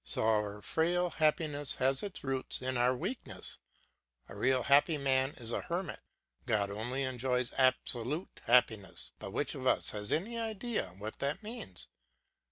So our frail happiness has its roots in our weakness. A really happy man is a hermit; God only enjoys absolute happiness; but which of us has any idea what that means?